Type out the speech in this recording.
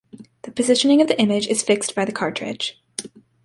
The positioning of the image is fixed by the cartridge.